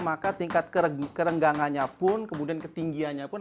maka tingkat kerenggangannya pun kemudian ketinggiannya pun